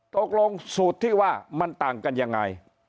สูตรที่ว่ามันต่างกันยังไง